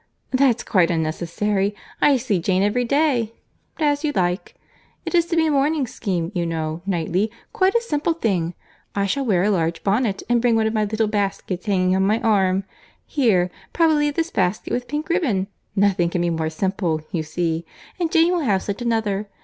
"That's quite unnecessary; I see Jane every day:—but as you like. It is to be a morning scheme, you know, Knightley; quite a simple thing. I shall wear a large bonnet, and bring one of my little baskets hanging on my arm. Here,—probably this basket with pink ribbon. Nothing can be more simple, you see. And Jane will have such another.